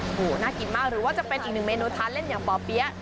โอ้โหน่ากินมากหรือว่าจะเป็นอีกหนึ่งเมนูทานเล่นอย่างป่อเปี๊ยะ